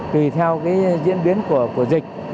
tùy theo diễn biến của dịch